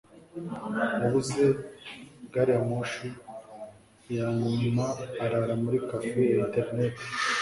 yabuze gari ya moshi ya nyuma arara muri cafe ya interineti.